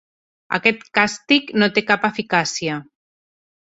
Aquest càstig no té cap eficàcia.